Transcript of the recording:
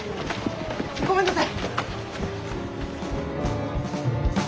ごめんなさい。